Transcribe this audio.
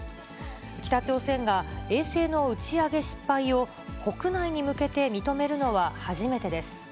北朝鮮が衛星の打ち上げ失敗を国内に向けて認めるのは初めてです。